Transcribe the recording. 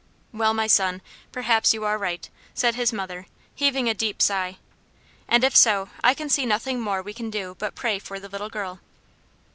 "Well, my son, perhaps you are right," said his mother, heaving a deep sigh; "and if so, I can see nothing more we can do but pray for the little girl."